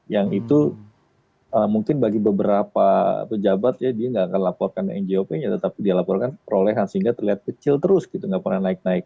yang itu mungkin bagi beberapa pejabat ya dia nggak akan laporkan njop nya tetapi dia laporkan perolehan sehingga terlihat kecil terus gitu nggak pernah naik naik